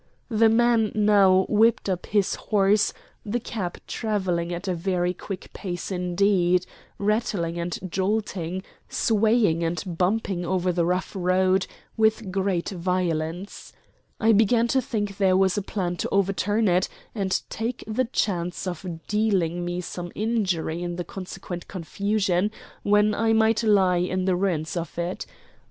The man now whipped up his horse, the cab travelling at a very quick pace indeed, rattling and jolting, swaying and bumping over the rough road with great violence. I began to think there was a plan to overturn it and take the chance of dealing me some injury in the consequent confusion when I might lie in the ruins of it.